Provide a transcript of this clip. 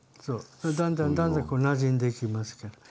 だんだんだんだんなじんできますから。